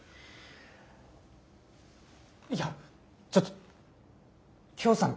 いやちょっときょーさん